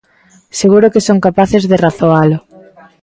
Seguro que son capaces de razoalo.